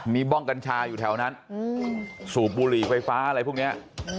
มีบ้องกัญชาอยู่แถวนั้นสูบบุหรี่ไฟฟ้าอะไรพวกนี้